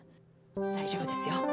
大丈夫ですよ。